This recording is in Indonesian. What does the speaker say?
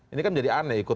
ini kan jadi aneh